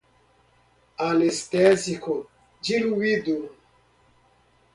anestésico diluído